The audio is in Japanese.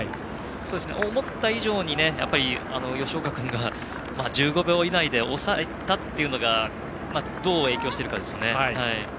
思った以上に吉岡君が１５秒以内で抑えたというのがどう影響しているかですよね。